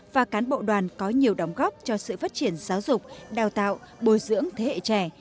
và cán bộ đoàn có nhiều đóng góp cho sự phát triển giáo dục đào tạo bồi dưỡng thế hệ trẻ